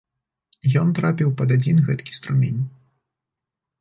Ён трапіў пад адзін гэткі струмень.